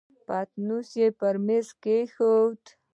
پتنوس يې پر مېز کېښود.